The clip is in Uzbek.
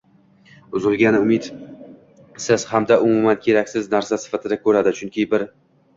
uzilgan umidsiz hamda umuman keraksiz narsa sifatida ko‘radi, chunki bir